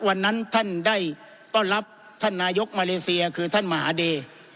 วันนั้นท่านได้ต้อนรับท่านนายกมาเลเซียคือท่านมหาเดย์